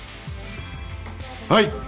はい。